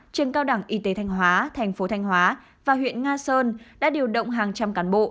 trường cao đẳng y tế thanh hóa thành phố thanh hóa và huyện nga sơn đã điều động hàng trăm cán bộ